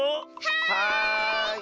はい！